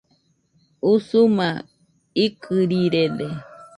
Usuma ikɨrirede